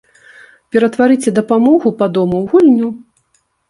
Ператварыце дапамогу па дому ў гульню.